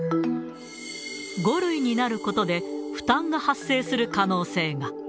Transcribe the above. ５類になることで、負担が発生する可能性が。